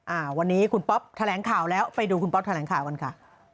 อ่าวันนี้คุณป๊อปแถลงข่าวแล้วไปดูคุณป๊อปแถลงข่าวกันค่ะ